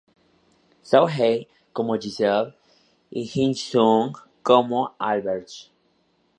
So-hee como Giselle, y Jin-sung como Albrecht.